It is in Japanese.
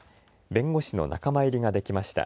弁護士の仲間入りができました。